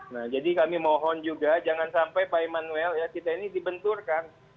nah jadi kami mohon juga jangan sampai pak emmanuel ya kita ini dibenturkan